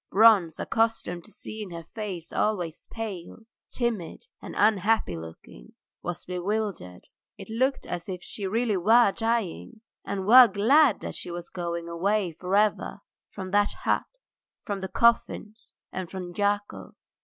Bronze, accustomed to seeing her face always pale, timid, and unhappy looking, was bewildered. It looked as if she really were dying and were glad that she was going away for ever from that hut, from the coffins, and from Yakov. .